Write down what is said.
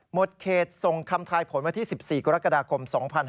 เขตส่งคำทายผลวันที่๑๔กรกฎาคม๒๕๕๙